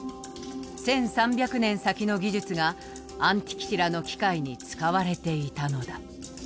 １３００年先の技術がアンティキティラの機械に使われていたのだ。